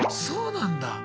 そうなんだ。